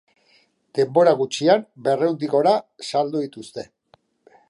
Denbora gutxian, berrehundik gora saldu dituzte.